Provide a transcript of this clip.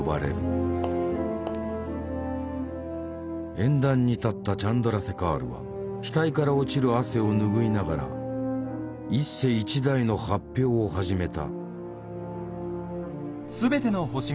演壇に立ったチャンドラセカールは額から落ちる汗を拭いながら一世一代の発表を始めた。